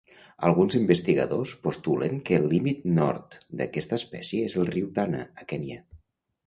Alguns investigadors postulen que el límit nord d'aquesta espècie és el riu Tana, a Kenya.